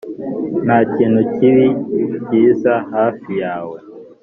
nta kintu kibi kiza hafi yawe!